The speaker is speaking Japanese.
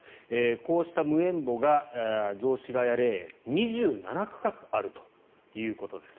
こうした無縁墓が雑司ケ谷霊園２７区画あるということです。